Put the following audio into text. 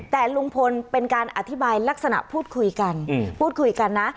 แต่ลุงพลเป็นการอธิบายลักษณะพูดคุยกันพูดคุยกันนะ